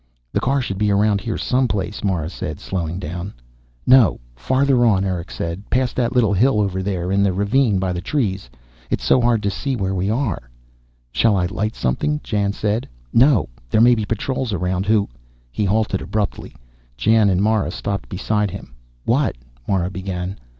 "The car should be around here, someplace," Mara said, slowing down. "No. Farther on," Erick said. "Past that little hill over there. In the ravine, by the trees. It's so hard to see where we are." "Shall I light something?" Jan said. "No. There may be patrols around who " He halted abruptly. Jan and Mara stopped beside him. "What " Mara began.